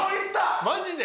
マジで？